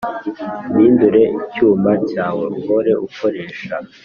Umpindure icyuma cyawe uhore ukoresha